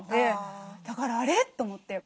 だからあれ？と思って。